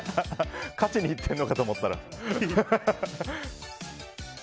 勝ちに行ってるのかと思ったら。